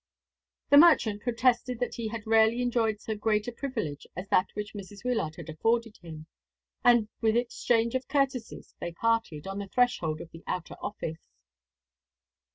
The merchant protested that he had rarely enjoyed so great a privilege as that which Mrs. Wyllard had afforded him; and with exchange of courtesies they parted, on the threshold of the outer office.